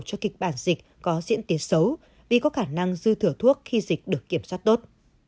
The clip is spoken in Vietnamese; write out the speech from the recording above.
cho kịch bản dịch có diễn tiến xấu vì có khả năng dư thửa thuốc khi dịch được kiểm soát tốt